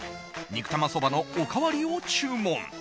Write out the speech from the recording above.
肉玉そばのおかわりを注文。